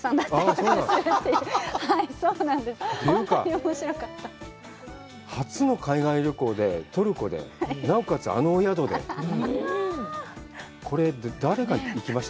というか、初の海外旅行で、トルコで、なおかつ、あのお宿で、これ、誰が行きました？